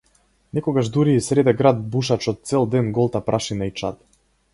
Некогаш дури и среде град бушачот цел ден голта прашина и чад.